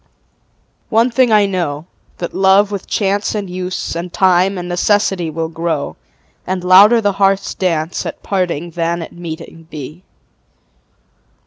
One thing I know, that love with chance And use and time and necessity Will grow, and louder the heart's dance At parting than at meeting be.